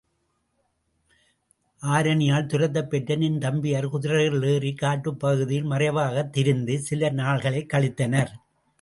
ஆருணியால் துரத்தப் பெற்ற நின் தம்பியர், குதிரைகளில் ஏறிக் காட்டுப் பகுதியில் மறைவாகத் திரிந்து, சில நாள்களைக் கழித்தனர்.